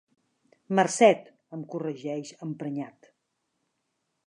Marcet! —em corregeix, emprenyat.